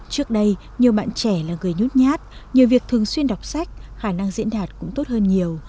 trước đây nhiều bạn trẻ là người nhút nhát nhiều việc thường xuyên đọc sách khả năng diễn đạt cũng tốt hơn nhiều